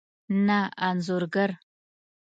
نه انځور ګر